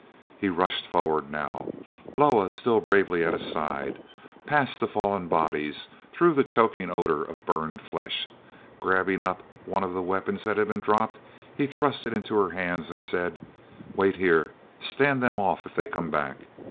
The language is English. He rushed forward now, Loah still bravely at his side—past the fallen bodies, through the choking odor of burned flesh. Grabbing up one of the weapons that had been dropped, he thrust it into her hands and said: "Wait here. Stand them off if they come back."